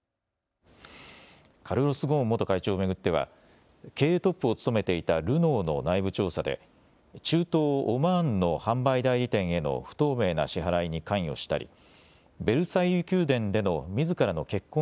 カルロス・ゴーン元会長を巡っては経営トップを務めていたルノーの内部調査で中東オマーンの販売代理店への不透明な支払いに関与したりベルサイユ宮殿でのみずからの結婚